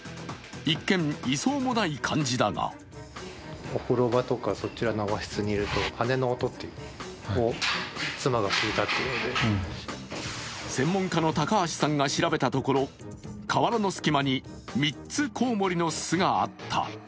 一見いそうもない感じだが専門家の高橋さんが調べたところ瓦の隙間に３つコウモリの巣があった。